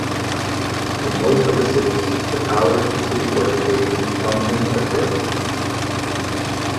In most of the cities, the towers and city fortifications functioned as jails.